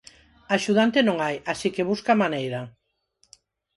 Axudante non hai, así que busca a maneira.